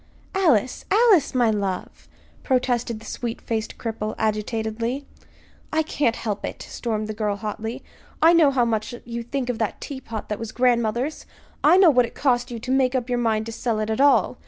"Alice, Alice, my love!" protested the sweet faced cripple, agitatedly. "I can't help it," stormed the girl, hotly. "I know how much you think of that teapot that was grandmother's. I know what it cost you to make up your mind to sell it at all.